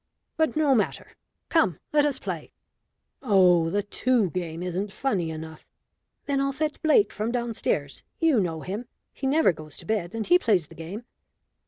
"But no matter come let us play." "Oh, the two game isn't funny enough." "Then I'll fetch up Blake from downstairs; you know him. He never goes to bed, and he plays the game."